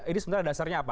ini sebenarnya dasarnya apa